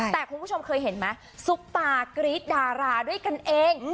แต่คุณผู้ชมเคยเห็นไหมซุปตากรี๊ดดาราด้วยกันเอง